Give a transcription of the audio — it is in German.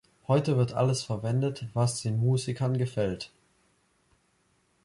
Heute wird alles verwendet, was den Musikern gefällt.